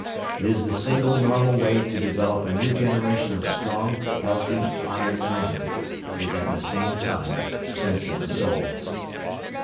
It is the single normal way to develop a new generation of strong, healthy, iron men, with at the same time sensitive souls.